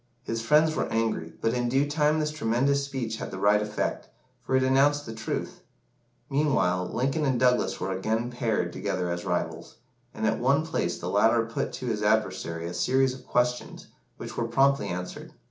His friends were angry, but in due time this tremendous speech had the right effect, for it announced the truth. Meanwhile, Lincoln and Douglas were again paired together as rivals, and at one place the latter put to his adversary a series of questions, which were promptly answered.